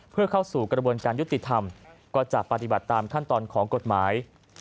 เพื่อเข้าสู่กระบวนการยุติธรรมก็จะปฏิบัติตามขั้นตอนของกฎหมาย